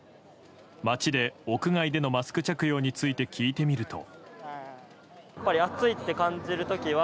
街で屋外でのマスク着用について聞いてみると。